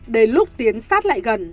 đến lúc tiến sát lại gần